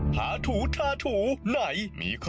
หาถูทาถูไหนมีครับ